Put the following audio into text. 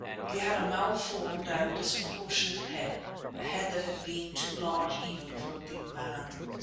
He had a malformed and disproportionate head, a head that had been too large even for a big man.